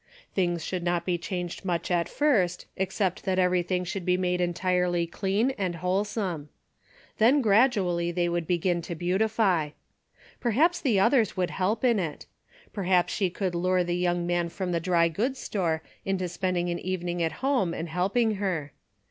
Things should not be changed much at first, except that everything should be made entirely clean and wholesome. Then gradually they would begin to beautify. Per haps the others would help in it. Perhaps she could lure the young man from the dry goods store into spending an evening at home and helping her.